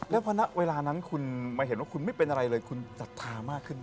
แล้วพอณเวลานั้นคุณมาเห็นว่าคุณไม่เป็นอะไรเลยคุณศรัทธามากขึ้น